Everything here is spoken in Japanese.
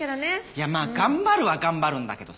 いやまあ頑張るは頑張るんだけどさ。